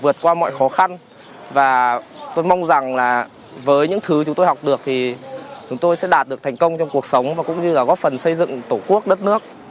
vượt qua mọi khó khăn và tôi mong rằng là với những thứ chúng tôi học được thì chúng tôi sẽ đạt được thành công trong cuộc sống và cũng như là góp phần xây dựng tổ quốc đất nước